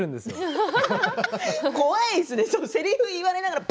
怖いですよね